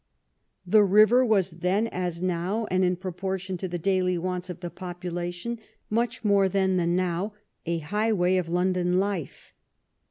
The river was then as now, and, in proportion to the daily wants of the population, much more then than now, a highway of London life.